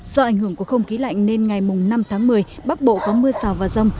do ảnh hưởng của không khí lạnh nên ngày năm một mươi bắc bộ có mưa sào và râm